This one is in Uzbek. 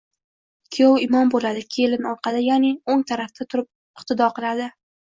Kuyov imom bo‘ladi, kelin orqada, ya'ni o‘ng tarafda turib iqtido qiladi.